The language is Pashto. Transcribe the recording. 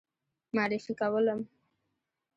معرفي کولم.